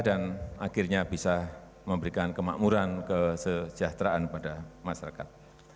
dan akhirnya bisa memberikan kemakmuran kesejahteraan kepada masyarakat